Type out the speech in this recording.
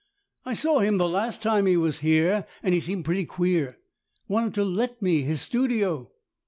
" I saw him the last time he was here, and he seemed pretty queer. Wanted to let me his studio."